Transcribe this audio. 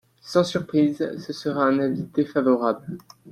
Sans surprise, ce sera un avis défavorable.